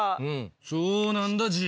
そうなんだＧ。